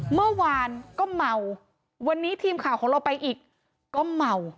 เมื่อวานก็เมาวันนี้ทีมข่าวของเราไปอีกก็เมา